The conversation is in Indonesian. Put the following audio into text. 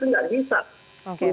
tapi tidak bisa